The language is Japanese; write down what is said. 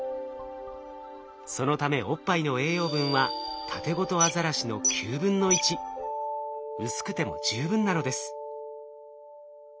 そのためおっぱいの栄養分はタテゴトアザラシの９分の１。薄くても十分なのです。